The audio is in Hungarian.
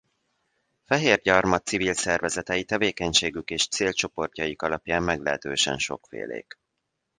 Fehérgyarmat civil szervezetei tevékenységük és célcsoportjaik alapján meglehetősen sokfélék.